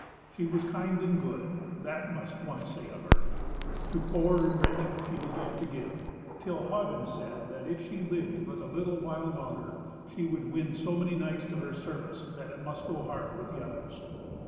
She was kind and good; that must one say of her. To poor and rich she began to give, till Hagen said that if she lived but a while longer, she would win so many knights to her service that it must go hard with the others.